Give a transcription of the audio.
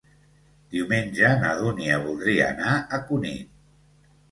Diumenge na Dúnia voldria anar a Cunit.